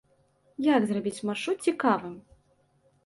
Як зрабіць маршрут цікавым?